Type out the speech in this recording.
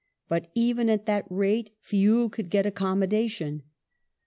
^ but even at that rate few could get accom modation.